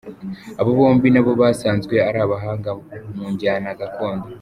Aba bombi nabo basanzwe ari abahanga mu njyana gakondo.